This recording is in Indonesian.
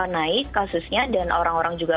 naik kasusnya dan orang orang juga